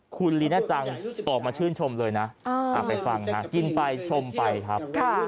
คุณลีน่าจังตอบมาชื่นชมเลยนะกินไปชมไปครับ